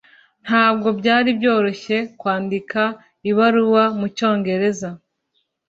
Ntabwo byari byoroshye kwandika ibaruwa mucyongereza.